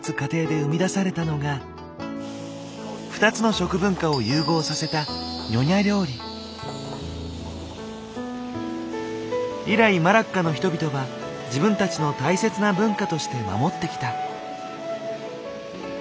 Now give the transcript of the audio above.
２つの食文化を融合させた以来マラッカの人々は自分たちの大切な文化として守ってきた。